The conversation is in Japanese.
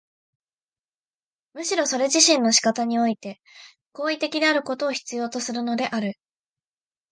むしろそれ自身の仕方において行為的であることを必要とするのである。